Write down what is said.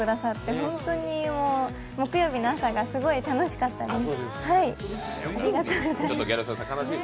本当に木曜日の皆さんが楽しかったです。